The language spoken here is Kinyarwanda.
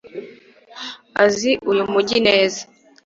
Azi uyu mujyi neza